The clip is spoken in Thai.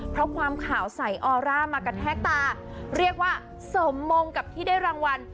เพราะความขาวใสออร่ามากระแทกตาเรียกว่าสมมงกับที่ได้รางวัล